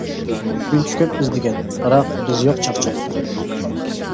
شۇنچە كۆپ ئىزدىگەن، بىراق بىز يوق چاقچاقتا.